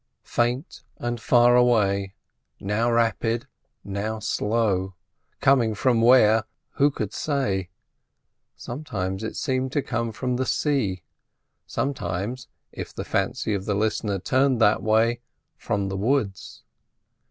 Faint and far away, now rapid, now slow; coming from where, who could say? Sometimes it seemed to come from the sea, sometimes, if the fancy of the listener turned that way, from the woods.